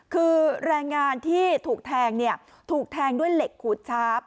คือแรงงานที่ถูกแทงถูกแทงด้วยเหล็กขูดชาร์ฟ